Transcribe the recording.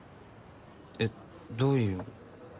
えっどういう意味？